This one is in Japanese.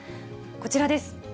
こちらです。